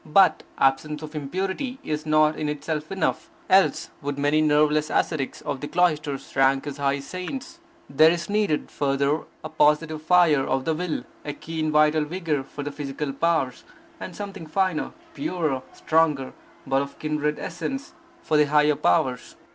But absence of impurity is not in itself enough, else would many nerveless ascetics of the cloisters rank as high saints. There is needed, further, a positive fire of the will; a keen vital vigour for the physical powers, and something finer, purer, stronger, but of kindred essence, for the higher powers.